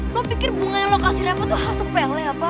lu pikir bunganya lu kasih reva tuh hal sepele apa